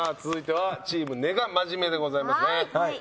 続いてはチーム根は真面目でございますね。